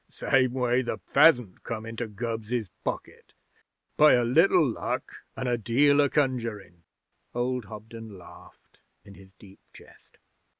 'Same way the pheasant come into Gubbs's pocket by a little luck an' a deal o' conjurin'.' Old Hobden laughed in his deep chest.